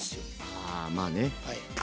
ああまあね。